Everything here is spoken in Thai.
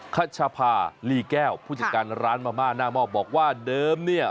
คัชภาลีแก้วผู้จัดการร้านมะม่าหน้าหม้อบอกว่าเดิมเนี่ย